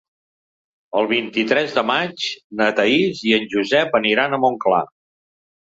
El vint-i-tres de maig na Thaís i en Josep aniran a Montclar.